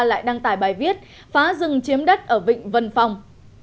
lại đăng tải bài viết phá rừng chiếm đất ở vịnh vân phong